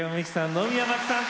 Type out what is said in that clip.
野宮真貴さん